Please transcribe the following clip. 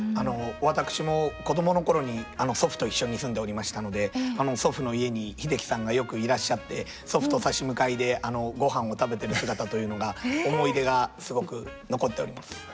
私も子供の頃に祖父と一緒に住んでおりましたので祖父の家に英樹さんがよくいらっしゃって祖父と差し向かいでごはんを食べてる姿というのが思い出がすごく残っております。